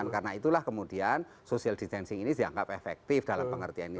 karena itulah kemudian social distancing ini dianggap efektif dalam pengertian ini